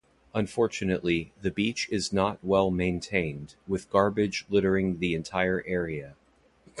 Unfortunately, the beach is not well maintained with garbage littering the entire area.